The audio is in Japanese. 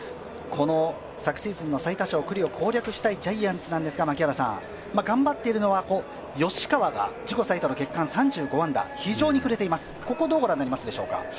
この昨シーズンの最多勝・九里を攻略したいジャイアンツですが、頑張っているのは吉川が３５安打非常に振れています、ここどう御覧になりますか？